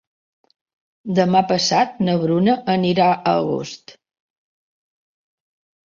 Demà passat na Bruna anirà a Agost.